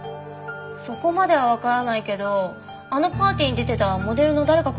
そこまではわからないけどあのパーティーに出てたモデルの誰かかもしれないと思って。